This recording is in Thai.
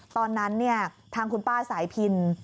ตอนนั้นเนี่ยทางคุณป้าสายพิล